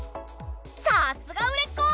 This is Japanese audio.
さすが売れっ子！